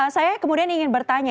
saya kemudian ingin bertanya